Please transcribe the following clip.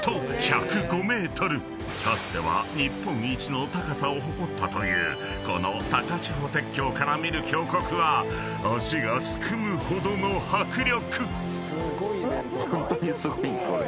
［かつては日本一の高さを誇ったというこの高千穂鉄橋から見る峡谷は足がすくむほどの迫力！］